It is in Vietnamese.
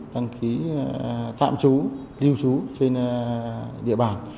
đăng ký tạm trú lưu trú trên địa bàn